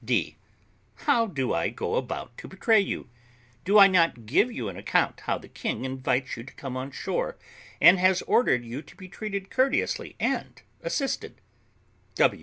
D. How do I go about to betray you? Do I not give you an account how the king invites you to come on shore, and has ordered you to be treated courteously and assisted?